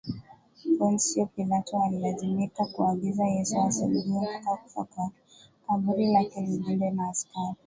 Ponsyo Pilato alilazimika kuagiza Yesu asulubiwe mpaka kufa kwake kaburi lake lilindwe na askari